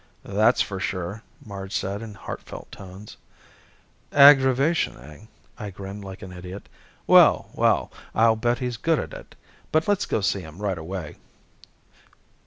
"That's for sure!" Marge said in heartfelt tones. "Aggravation, eh?" I grinned like an idiot. "Well, well! I'll bet he's good at it. But let's go see him right away."